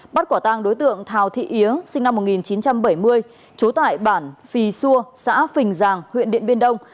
bắt quả tang đối tượng thào thị ýa sinh năm một nghìn chín trăm bảy mươi trú tại bản phì xua xã phình giàng huyện điện biên đông